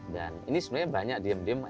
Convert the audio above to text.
dan ini sebenarnya banyak diem diem